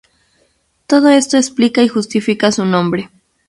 Todo esto explica y justifica su nombre.